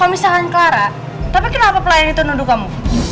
kalo misalkan clara tapi kenapa pelayan itu nuduh kamu